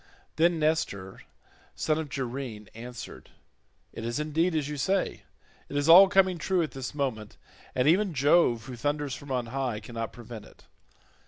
Then Nestor knight of Gerene, answered, "It is indeed as you say; it is all coming true at this moment, and even Jove who thunders from on high cannot prevent it.